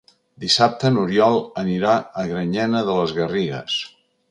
Dissabte n'Oriol anirà a Granyena de les Garrigues.